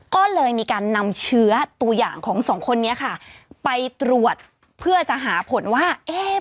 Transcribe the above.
ก็เลยมีการนำเชื้อตัวอย่างของสองคนนี้ค่ะไปตรวจเพื่อจะหาผลว่าเอ๊ะ